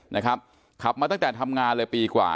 นะครับขับมาตั้งแต่ทำงานเลยปีกว่า